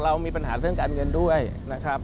เรามีปัญหาเรื่องการเงินด้วยนะครับ